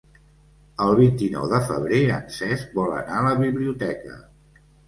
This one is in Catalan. El vint-i-nou de febrer en Cesc vol anar a la biblioteca.